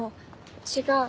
違う。